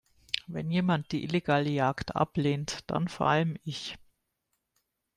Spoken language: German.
Wenn jemand die illegale Jagd ablehnt, dann vor allem ich.